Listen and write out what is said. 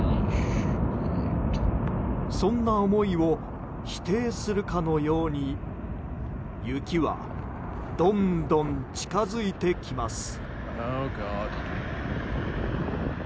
そんな思いを否定するかのように雪は、どんどん近づいてきます。